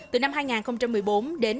từ năm hai nghìn một mươi bốn đến